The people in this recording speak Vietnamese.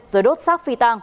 rồi đốt xác